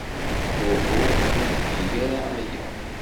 Uhu. Ur tgi ara aya.